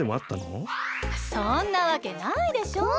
そんなわけないでしょう。